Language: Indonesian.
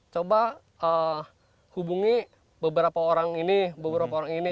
coba hubungi beberapa orang ini beberapa orang ini